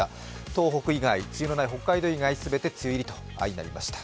東北以外、梅雨のない北海道以外、全て梅雨入りとなりました。